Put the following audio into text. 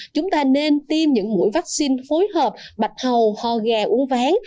chúng ta nên tiêm những mũi vaccine phối hợp bạch hầu ho gà uống ván